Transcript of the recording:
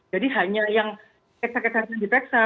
jadi hanya yang kecacatan yang diperiksa